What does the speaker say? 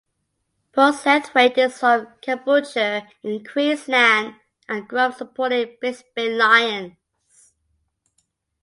Postlethwaite is from Caboolture in Queensland and grew up supporting Brisbane Lions.